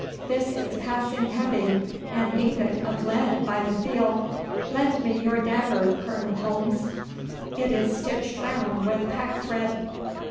This is passing heavy an ingot of lead, by the feel. Lend me your dagger, Colonel Holmes. It is stitched round with packthread.